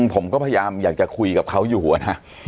ผมก็พยายามอยากจะคุยกับเขาอยู่นะ